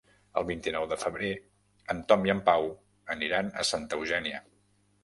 El vint-i-nou de febrer en Tom i en Pau aniran a Santa Eugènia.